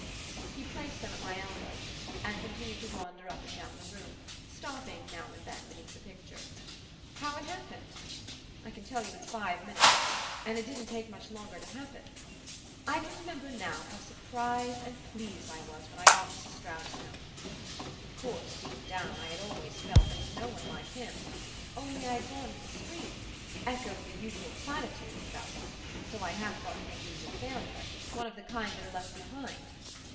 He placed them at my elbow and continued to wander up and down the room, stopping now and then beneath the picture. "How it happened? I can tell you in five minutes and it didn't take much longer to happen.... I can remember now how surprised and pleased I was when I got Mrs. Stroud's note. Of course, deep down, I had always FELT there was no one like him only I had gone with the stream, echoed the usual platitudes about him, till I half got to think he was a failure, one of the kind that are left behind.